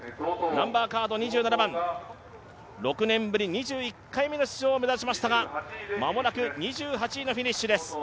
２７番、６年ぶり２１回目の出場を目指しましたが間もなく２８位のフィニッシュです。